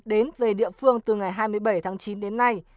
đến về địa phương từ ngày hai mươi bảy tháng chín đến nay